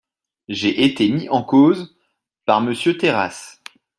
J’ai été mis en cause par Monsieur Terrasse.